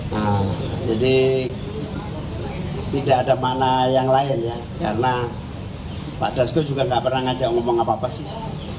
nah jadi tidak ada mana yang lain ya karena pak dasko juga nggak pernah ngajak ngomong apa apa sih